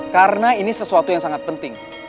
karena ini sesuatu yang sangat penting